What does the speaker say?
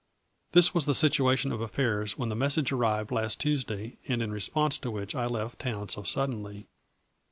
This was the situation of affairs when the message arrived last Tuesday and in response to which I left town so suddenly.